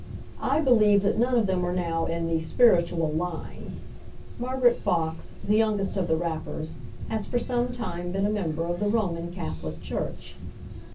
I believe that none of them are now in the "spiritual line." Margaret Fox, the youngest of the rappers, has for some time been a member of the Roman Catholic Church.